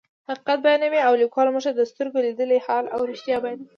حقیقت بیانوي او لیکوال موږ ته د سترګو لیدلی حال او رښتیا بیانوي.